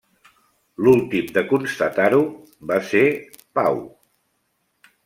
L'últim de constatar-ho va ser Pau.